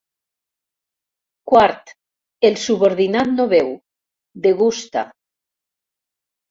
Quart: el subordinat no beu, degusta.